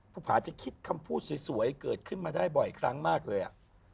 ผาจะคิดคำพูดสวยเกิดขึ้นมาได้บ่อยครั้งมากเลยอ่ะ